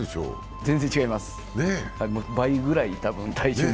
全然違います、倍ぐらい、体重も。